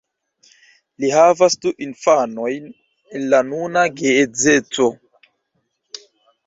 Li havas du infanojn el nuna geedzeco.